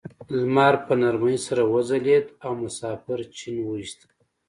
لمر په نرمۍ سره وځلید او مسافر چپن وویسته.